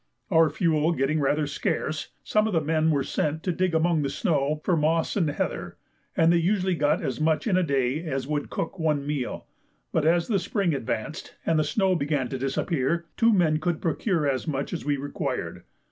Our fuel getting rather scarce, some of the men were sent to dig among the snow for moss and heather, and they usually got as much in a day as would cook one meal, but as the spring advanced, and the snow began to disappear, two men could procure as much as we required.